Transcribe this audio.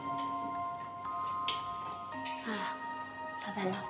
ほら食べな